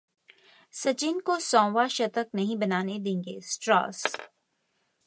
सचिन को सौवां शतक नहीं बनाने देंगे: स्ट्रास